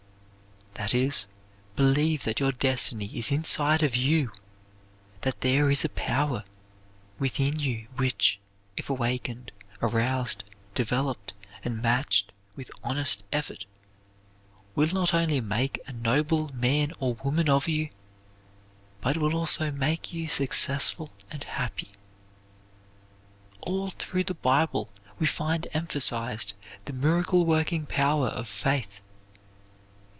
_" That is, believe that your destiny is inside of you, that there is a power within you which, if awakened, aroused, developed, and matched with honest effort, will not only make a noble man or woman of you, but will also make you successful and happy. All through the Bible we find emphasized the miracle working power of faith.